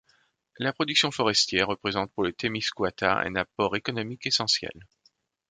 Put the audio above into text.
La production forestière représente pour le Témiscouata un apport économique essentiel.